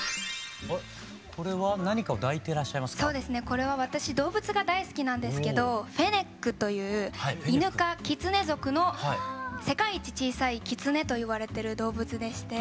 これは私動物が大好きなんですけどフェネックというイヌ科キツネ属の世界一小さいキツネといわれてる動物でして。